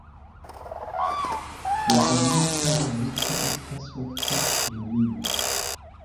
La orienta lariko estas ofte pioniro.